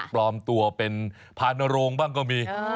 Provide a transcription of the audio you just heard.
ปลอมตัวเป็นพานโรงบ้างก็มี